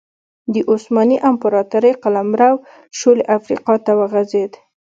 د عثماني امپراتورۍ قلمرو شولې افریقا ته وغځېد.